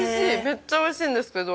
めっちゃ美味しいんですけど。